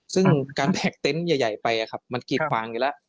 ซึ่งการแพลกเต็นต์ใหญ่ไปครับมันกลีบฟ้างอยู่แล้ว